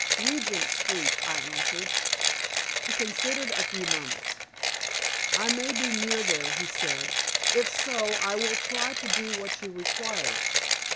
"Regent Street," I answered. He considered a few moments. "I may be near there," he said. "If so I will try to do what you require.